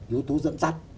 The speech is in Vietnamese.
yếu tố dẫn dắt